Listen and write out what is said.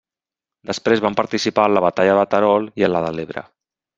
Després van participar en la batalla de Terol i en la de l'Ebre.